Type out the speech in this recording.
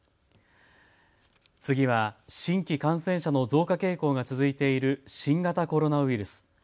次は新規感染者の増加傾向が続いている新型コロナウイルス。